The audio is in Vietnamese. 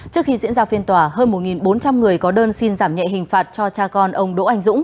trước khi diễn ra phiên tòa hơn một bốn trăm linh người có đơn xin giảm nhẹ hình phạt cho cha con ông đỗ anh dũng